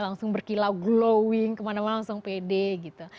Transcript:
langsung berkilau glowing kemana mana langsung pede gitu